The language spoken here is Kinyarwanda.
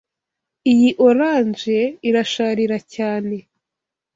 Iyi orange irasharira cyane.